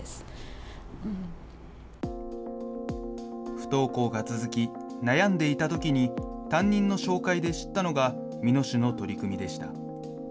不登校が続き、悩んでいたときに担任の紹介で知ったのが、美濃市の取り組みでした。